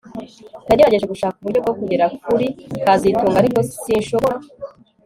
Nagerageje gushaka uburyo bwo kugera kuri kazitunga ariko sinshobora